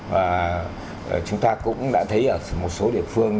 và chúng ta cũng đã thấy ở một số địa phương